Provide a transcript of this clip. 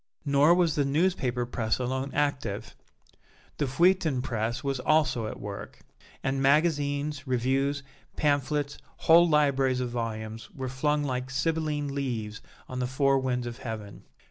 Nor was the newspaper press alone active. The feuilleton press was also at work; and magazines, reviews, pamphlets, whole libraries of volumes, were flung like Sibylline leaves on the four winds of heaven.